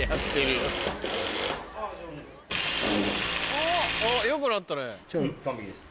よくなったね。